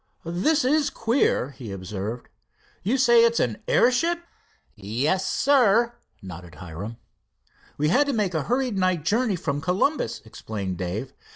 "This is queer," he observed. "You say it's an airship?" "Yes, sir," nodded Hiram. "We had to make a hurried night journey from Columbus," explained Dave.